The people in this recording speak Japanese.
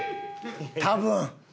多分！